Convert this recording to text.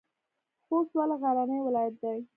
خوست ولې غرنی ولایت دی؟